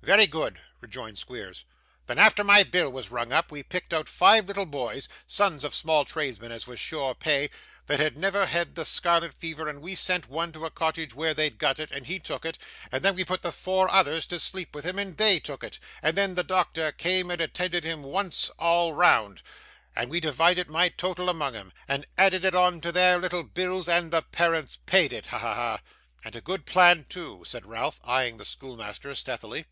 'Very good,' rejoined Squeers. 'Then, after my bill was run up, we picked out five little boys (sons of small tradesmen, as was sure pay) that had never had the scarlet fever, and we sent one to a cottage where they'd got it, and he took it, and then we put the four others to sleep with him, and THEY took it, and then the doctor came and attended 'em once all round, and we divided my total among 'em, and added it on to their little bills, and the parents paid it. Ha! ha! ha!' 'And a good plan too,' said Ralph, eyeing the schoolmaster stealthily.